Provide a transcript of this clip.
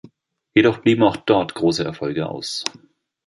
Jedoch blieben auch dort große Erfolge aus.